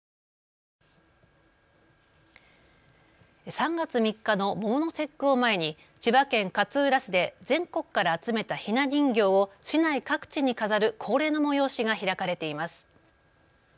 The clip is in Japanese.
３月３日の桃の節句を前に千葉県勝浦市で全国から集めたひな人形を市内各地に飾る恒例の催しが開かれています。